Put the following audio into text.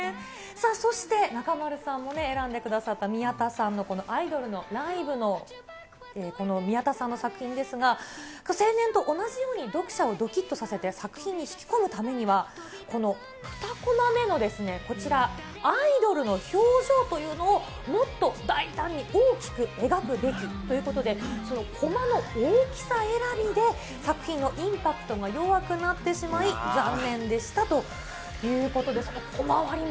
さあ、そして中丸さんもね、選んでくださった、宮田さんのこのアイドルのライブのこの宮田さんの作品ですが、青年と同じように読者をどきっとさせて作品に引き込むためには、この２コマ目のこちら、アイドルの表情というのをもっと大胆に大きく描くべきということで、コマの大きさ選びで作品のインパクトが弱くなってしまい、残念でしたということです。